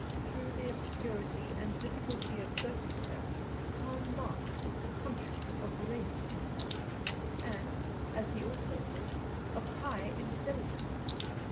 Through the obscurity and difficulty of circumstance, how marked was the conscience of race in her, and, as he also thought, of high intelligence!